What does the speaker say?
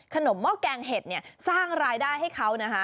ขนมหม้อกแกงเห็ดสร้างรายได้ให้เขา